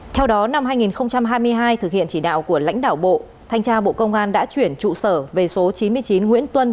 theo đó năm hai nghìn hai mươi hai thực hiện chỉ đạo của lãnh đạo bộ thanh tra bộ công an đã chuyển trụ sở về số chín mươi chín nguyễn tuân